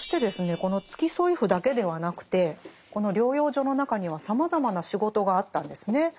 この付添夫だけではなくてこの療養所の中にはさまざまな仕事があったんですね。